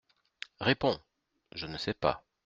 Réponds ! Je ne sais pas.